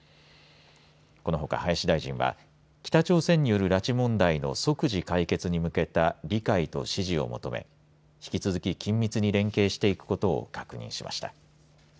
このほか林大臣は北朝鮮による拉致問題の即時解決に向けた理解と支持を求め引き続き、連携していくことを確認しました。